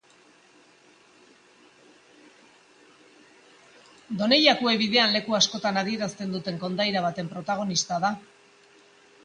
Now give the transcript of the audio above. Donejakue bidean leku askotan adierazten duten kondaira baten protagonista da.